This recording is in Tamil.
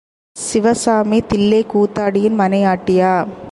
சிவசாமி தில்லைக் கூத்தாடியின் மனையாட்டியா?